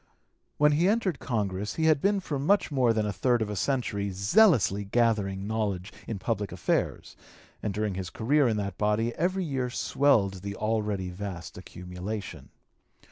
When he entered Congress he had been for much more than a third of a century zealously gathering knowledge in public affairs, and during his career in that body every year swelled the already vast accumulation.